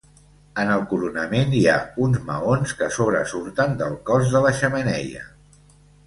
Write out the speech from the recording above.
En el coronament hi ha uns maons que sobresurten del cos de la xemeneia.